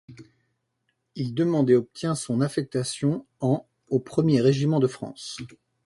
Il demande et obtient son affectation en au Premier régiment de France.